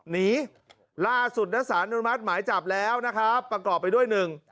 นี้ล่าสุดนักศึกษาหนุนมัธหมายจับแล้วนะครับประกอบไปด้วย๑